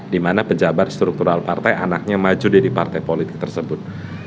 dimana pejabat struktural partai anaknya maju dari partai politik tersebut